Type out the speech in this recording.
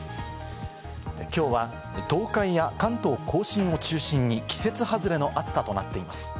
きょうは東海や関東甲信を中心に季節外れの暑さとなっています。